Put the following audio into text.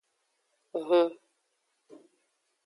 Hun.